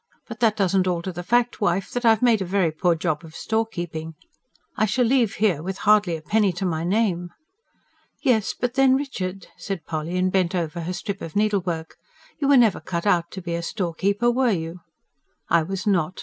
But that doesn't alter the fact, wife, that I've made a very poor job of storekeeping. I shall leave here with hardly a penny to my name." "Yes, but then, Richard," said Polly, and bent over her strip of needlework, "you were never cut out to be a storekeeper, were you?" "I was not.